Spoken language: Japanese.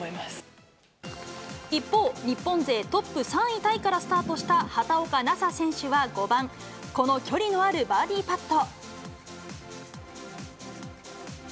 一方、日本勢トップ３位タイからスタートした畑岡奈紗選手は５番、この距離のあるバーディーパット。